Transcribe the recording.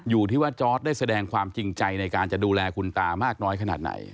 อยู่ที่ว่าจอร์ดได้แสดงความจริงใจในการจะดูแลคุณตามากน้อยขนาดไหน